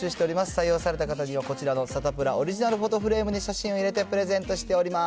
採用された方にはこちらのサタプラオリジナルフォトフレームに写真を入れて、プレゼントしています。